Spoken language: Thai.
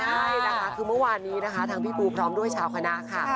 ใช่นะคะคือเมื่อวานนี้นะคะทางพี่ปูพร้อมด้วยชาวคณะค่ะ